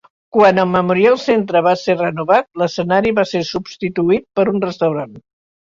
Quan el Memorial Centre va ser renovat, l'escenari va ser substituït per un restaurant.